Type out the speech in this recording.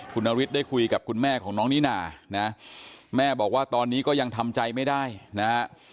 คุณนฤทธิ์ได้คุยกับคุณแม่ของน้องนิน่านะแม่บอกว่าตอนนี้ก็ยังทำใจไม่ได้นะฮะ